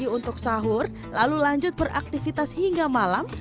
pergi untuk sahur lalu lanjut beraktivitas hingga malam